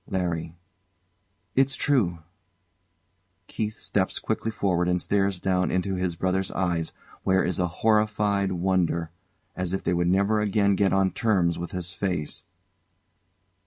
] LARRY. It's true. [KEITH steps quickly forward and stares down into his brother's eyes, where is a horrified wonder, as if they would never again get on terms with his face.